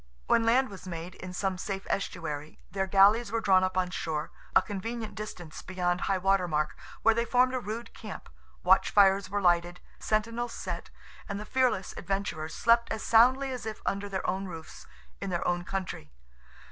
When land was made, in some safe estuary, their galleys were drawn up on shore, a convenient distance beyond highwater mark, where they formed a rude camp, watch fires were lighted, sentinels set, and the fearless adventurers slept as soundly as if under their own roofs, in their own country.